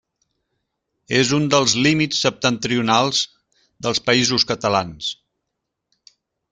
És un dels límits septentrionals dels Països Catalans.